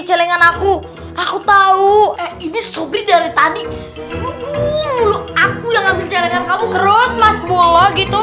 celengan aku aku tahu ini sobrini dari tadi aku yang habis jalan kamu terus mas mula gitu